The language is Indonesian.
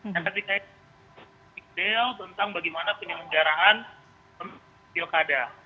dan tadi ada detail tentang bagaimana penyelenggaran pemilu dan pilkada